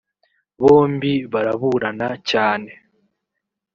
bombi baraburana cyane